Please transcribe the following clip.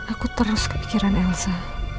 aku terus kepikiran elsa